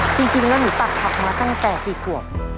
จริงแล้วหนูปักผักมาตั้งแต่กี่ขวบ